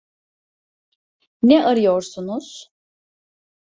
Ne arıyorsunuz?